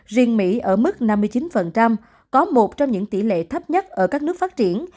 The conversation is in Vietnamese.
riêng mỹ ở mức năm mươi chín có một trong những tỷ lệ thấp nhất ở các nước phát triển